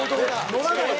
乗らないの？